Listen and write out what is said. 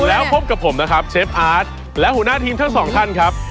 แล้วพบกับผมนะครับเชฟอาร์ตและหัวหน้าทีมทั้งสองท่านครับ